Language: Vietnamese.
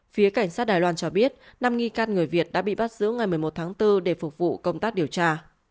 phía cảnh sát đài loan cho biết năm nghi can người việt đã bị bắt giữ ngày một mươi một tháng bốn để phục vụ công tác điều tra